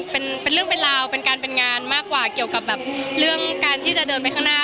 เป็นเรื่องเป็นราวเป็นการเป็นงานมากกว่าเกี่ยวกับแบบเรื่องการที่จะเดินไปข้างหน้า